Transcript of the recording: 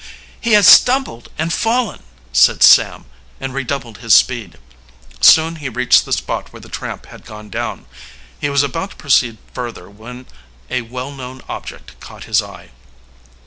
"He has stumbled and fallen!" said Sam, and redoubled his speed. Soon he reached the spot where the tramp had gone down. He was about to proceed further when a well known object caught his eye.